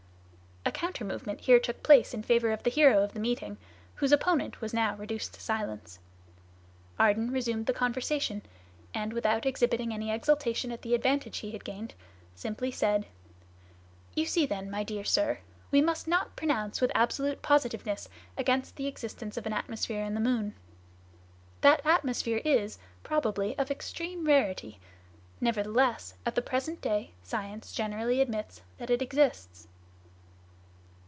A counter movement here took place in favor of the hero of the meeting, whose opponent was now reduced to silence. Ardan resumed the conversation; and without exhibiting any exultation at the advantage he had gained, simply said: "You see, then, my dear sir, we must not pronounce with absolute positiveness against the existence of an atmosphere in the moon. That atmosphere is, probably, of extreme rarity; nevertheless at the present day science generally admits that it exists."